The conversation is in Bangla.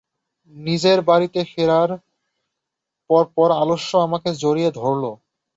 নিজের বাড়িতে ফেরার পরপর আলস্য আমাকে জড়িয়ে ধরল।